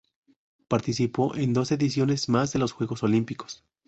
Participó en en dos ediciones más de los Juegos Olímpicos.